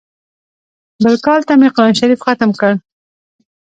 بل کال ته مې قران شريف ختم کړ.